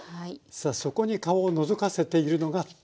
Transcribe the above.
さあそこに顔をのぞかせているのがたくあん。